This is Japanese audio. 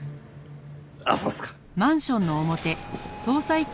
ああそうっすか。